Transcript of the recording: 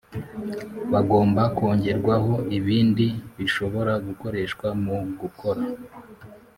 Bagomba kongerwaho ibindi bishobora gukoreshwa mu gukora